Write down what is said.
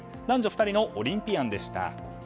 男女２人のオリンピアンでした。